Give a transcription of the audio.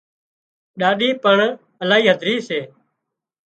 ڏاڏِي پڻ الاهي هڌري سي